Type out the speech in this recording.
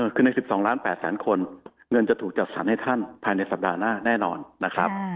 คือใน๑๒ล้าน๘แสนคนเงินจะถูกจัดสรรให้ท่านภายในสัปดาห์หน้าแน่นอนนะครับ